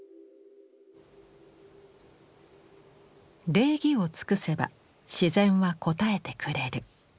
「礼儀を尽くせば自然は応えてくれる」。